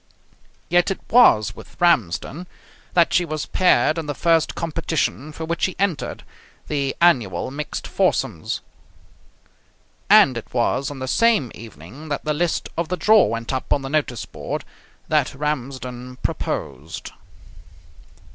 Yet it was with Ramsden that she was paired in the first competition for which she entered, the annual mixed foursomes. And it was on the same evening that the list of the draw went up on the notice board that Ramsden proposed.